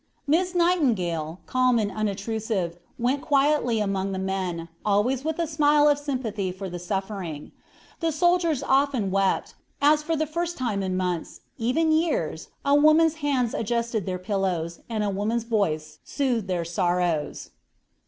Miss Nightingale, calm and unobtrusive, went quietly among the men, always with a smile of sympathy for the suffering. The soldiers often wept, as for the first time in months, even years, a woman's hand adjusted their pillows, and a woman's voice soothed their sorrows.